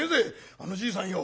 あのじいさんよ